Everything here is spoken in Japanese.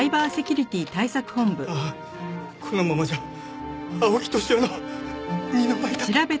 ああこのままじゃ青木年男の二の舞だ！